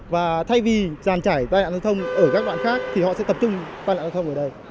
và thay vì giàn trải tai nạn giao thông ở các đoạn khác thì họ sẽ tập trung tai nạn giao thông ở đây